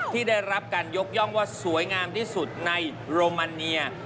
ที่ได้รับการยกย่องว่าสวยงามที่สุดในโรมันเนีย